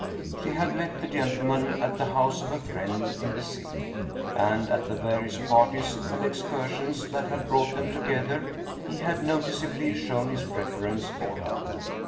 She had met the gentleman at the. house of a friend in the city, and at the various parties and excursions that had brought them together, he had notice ably shown his preference for her.